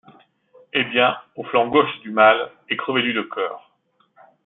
Eh bien, au flanc gauche du mâle, et crevez-lui le cœur!